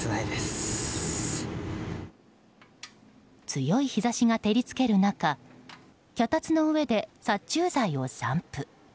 強い日差しが照り付ける中脚立の上で殺虫剤を散布。